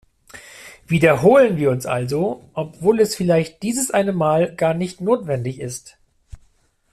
Wiederholen wir uns also, obwohl es vielleicht dieses eine Mal gar nicht notwendig ist.